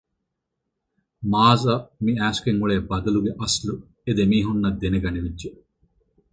މާޒްއަށް މި އައިސްގެން އުޅޭ ބަދަލުގެ އަސްލު އެދެމީހުންނަށް ދެނެގަނެވިއްޖެ